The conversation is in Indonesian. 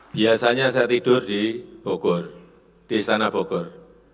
biasanya saya tidur di bogor di istana bogor